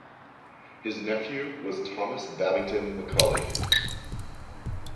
His nephew was Thomas Babington Macaulay.